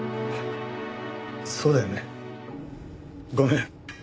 そうだよねごめん。